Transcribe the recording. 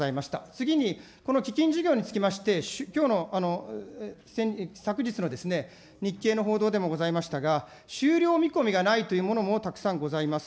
次にこの基金事業につきまして、きょうの、昨日のですね、日経の報道でもございましたが、終了見込みがないというものもたくさんございます。